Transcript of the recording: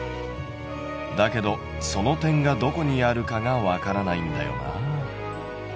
だけどその点がどこにあるかがわからないんだよな。